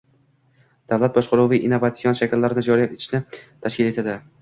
davlat boshqaruvi innovatsion shakllarini joriy etishni tashkil etadi.